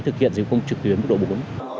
thực hiện diễn phong trực tuyến bước đội bổng